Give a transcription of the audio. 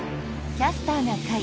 「キャスターな会」。